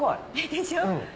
でしょ？